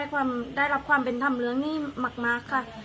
อยากให้รับความเป็นท่ำเหลือนี่ต่อมากสักครั้ง